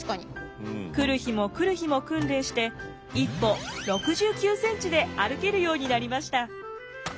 来る日も来る日も訓練して１歩６９センチで歩けるようになりました。